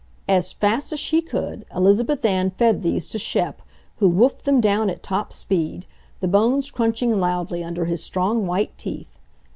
As fast as she could, Elizabeth Ann fed these to Shep, who woofed them down at top speed, the bones crunching loudly under his strong, white teeth.